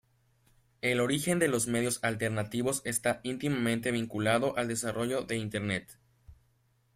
El origen de los medios alternativos está íntimamente vinculado al desarrollo de Internet.